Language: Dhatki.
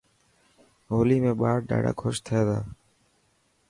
هولي ۾ ٻار ڏاڌا ڪوش ٿي تا.